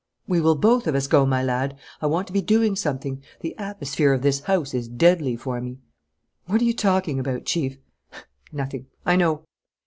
"We will both of us go, my lad. I want to be doing something; the atmosphere of this house is deadly for me." "What are you talking about, Chief?" "Nothing. I know."